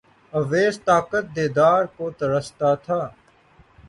اویس طاقت دیدار کو ترستا تھا